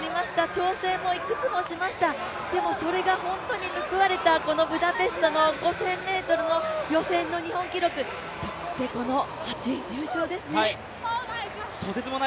調整もいくつもしました、でもそれが本当にむくわれたこのブダペストの予選の日本記録、この８位入賞ですね。